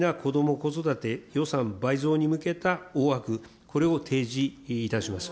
子育て予算倍増に向けた大枠、これを提示いたします。